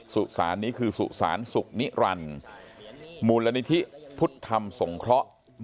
สุสานนี้คือสุสานสุขนิรันดิ์มูลนิธิพุทธธรรมสงเคราะห์